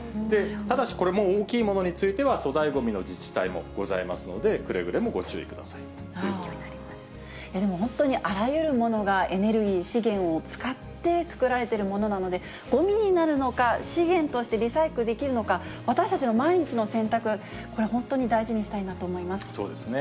ただしこれも大きいものについては、粗大ごみの自治体もございますので、くれぐれもご注意くださいとでも本当にあらゆるものがエネルギー、資源を使って作られているものなので、ごみになるのか、資源としてリサイクルできるのか、私たちの毎日の選択、これ、本当に大事そうですね。